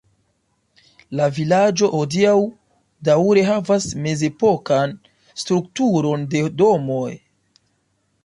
La vilaĝo hodiaŭ daŭre havas mezepokan strukturon de domoj.